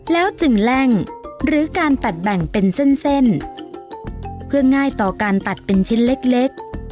แล้วจึงแล่งหรือการตัดแบ่งเป็นเส้นเส้นเพื่อง่ายต่อการตัดเป็นชิ้นเล็ก